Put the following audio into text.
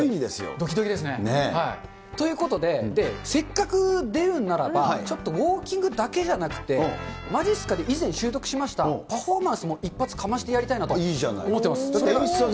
どきどきですよ。ということで、せっかく出るんならば、ちょっとウオーキングだけじゃなくて、まじっすかで以前習得しましたパフォーマンスも一発かましてやりいいじゃない。